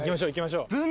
いきましょう。